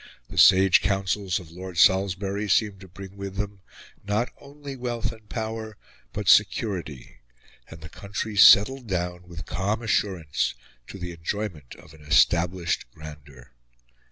The sage counsels of Lord Salisbury seemed to bring with them not only wealth and power, but security; and the country settled down, with calm assurance, to the enjoyment of an established grandeur.